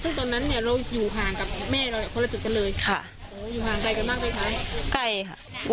ซึ่งตอนนั้นเนี่ยเราอยู่ห่างกับแม่เราเนี่ยคนละจุดกันเลยค่ะโอ้อยู่ห่างไกลกันมากไหมคะใกล้ค่ะ